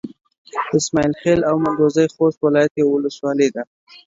اسماعيل خېل او مندوزي د خوست ولايت يوه ولسوالي ده.